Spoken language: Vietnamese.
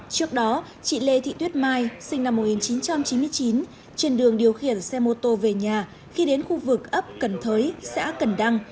trước đó chị lê thị tuyết mai sinh năm một nghìn chín trăm chín mươi chín trên đường điều khiển xe mô tô về nhà khi đến khu vực ấp cần thới xã cần đăng